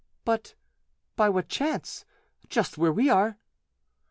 "But by what chance? just where we are."